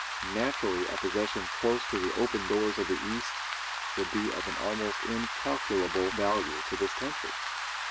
Naturally a possession close to the open doors of the East would be of an almost incalculable value to this country.